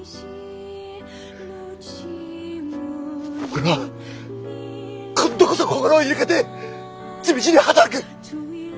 俺は今度こそ心を入れ替えて地道に働く！